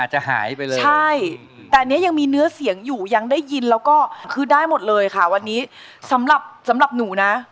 จะหายไปเลยใช่แต่อันนี้ยังมีเนื้อเสียงอยู่ยังได้ยินแล้วก็คือได้หมดเลยค่ะวันนี้สำหรับสำหรับหนูนะ